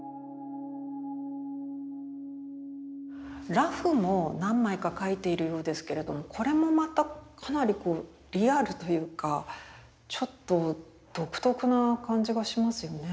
裸婦も何枚か描いているようですけれどもこれもまたかなりこうリアルというかちょっと独特な感じがしますよね。